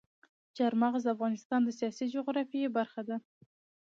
چار مغز د افغانستان د سیاسي جغرافیه برخه ده.